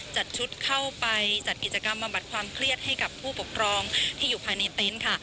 จัดชุดเข้าไปจัดกิจกรรมบำบัดความเครียดให้กับผู้ปกครองที่อยู่ภายในเต็นต์ค่ะ